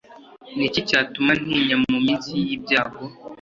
Ni iki cyatuma ntinya mu minsi y ibyago